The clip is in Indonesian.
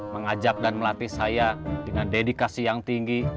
mengajak dan melatih saya dengan dedikasi yang tinggi